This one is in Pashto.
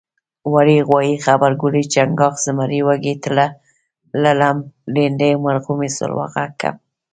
وری غوایي غبرګولی چنګاښ زمری وږی تله لړم لیندۍ مرغومی سلواغه کب